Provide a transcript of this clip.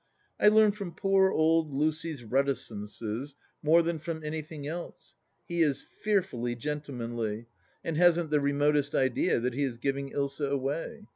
I learn from poor old Lucy's reticences more than from anything else ; he is fearfully gentlemanly, and hasn't the remotest idea that he is giving Ilsa away.